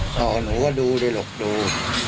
ต้องหนูดูดิดู